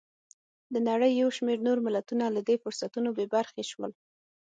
د نړۍ یو شمېر نور ملتونه له دې فرصتونو بې برخې شول.